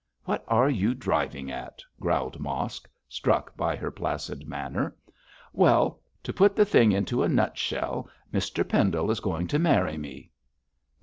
'What are you driving at?' growled Mosk, struck by her placid manner. 'Well, to put the thing into a nutshell, Mr Pendle is going to marry me.'